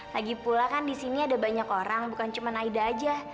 lagipula kan disini ada banyak orang bukan cuma aida aja